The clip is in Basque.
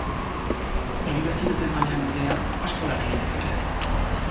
Unibertsitate mailan, ordea, asko lan egiten dute.